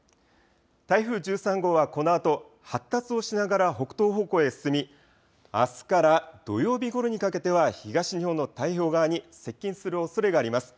台風１３号はこのあと発達をしながら北東方向へ進みあすから土曜日ごろにかけては東日本の太平洋側に接近するおそれがあります。